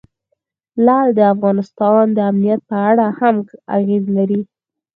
لعل د افغانستان د امنیت په اړه هم اغېز لري.